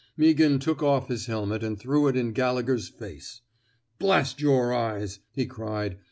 Meaghan took off his helmet and threw it in Gallegher's face. " Blast yer eyes, he cried.